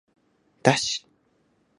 だし